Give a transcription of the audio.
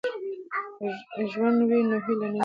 که ژوند وي نو هیله نه مري.